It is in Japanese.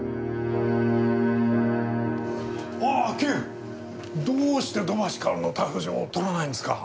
ああ警部どうして土橋かおるの逮捕状を取らないんですか？